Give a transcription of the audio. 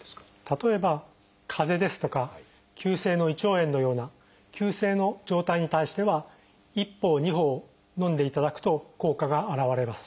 例えばかぜですとか急性の胃腸炎のような急性の状態に対しては１包２包のんでいただくと効果が表れます。